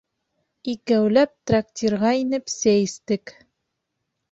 Икәүләп трактирға инеп сәй эстек.